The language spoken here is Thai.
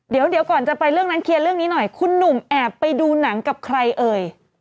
เดี๋ยวก่อนจะไปเรื่องนั้นเคลียร์เรื่องนี้หน่อยคุณหนุ่มแอบไปดูหนังกับใครเอ่ย